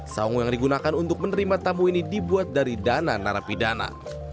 saung yang digunakan untuk menerima tamu ini dibuat dari dana narapidana